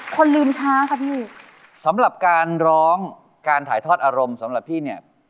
คนลืมช้าค่ะพี่สำหรับการร้องการถ่ายทอดอารมณ์สำหรับพี่เนี่ย